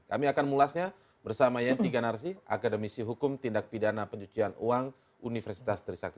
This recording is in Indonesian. kami akan mulasnya bersama yanti ganarsi akademisi hukum tindak pidana pencucian uang universitas trisakti